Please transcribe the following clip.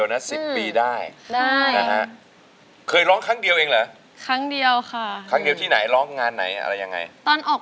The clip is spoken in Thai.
หลักสุดนี่ก็ขับมอเตอร์ลงข้างทาง